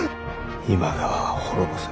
今川は滅ぼせ。